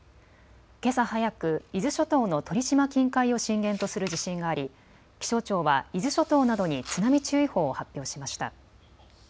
けさ早く伊豆諸島の鳥島近海を震源とする地震があり気象庁は伊豆諸島などに津波注意報を発表しました。